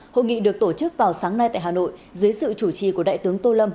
hội nghị được tổ chức vào sáng nay tại hà nội dưới sự chủ trì của đại tướng tô lâm